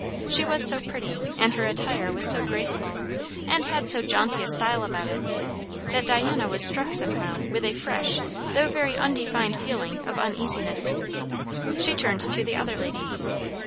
She was so pretty, and her attire was so graceful, and had so jaunty a style about it, that Diana was struck somehow with a fresh though very undefined feeling of uneasiness. She turned to the other lady.